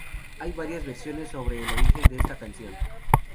Hay varias versiones sobre el origen de esta canción.